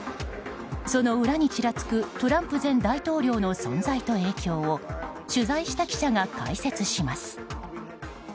その裏にちらつくトランプ前大統領の存在と影響を取材した記者が解説します。